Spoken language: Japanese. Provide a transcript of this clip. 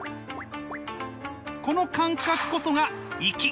この感覚こそがいき。